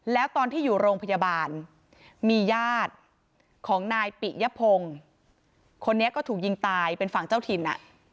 แล้วตอนที่อยู่โรงพยาบาลมีญาติของนายปิยพงศ์คนนี้ก็ถูกยิงตายเป็นฝั่งเจ้าถิ่น